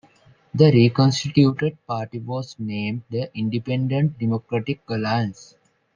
The reconstituted party was named the Independent Democratic Alliance.